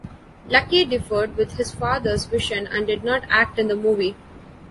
Lucky differed with his father's vision and did not act in the movie.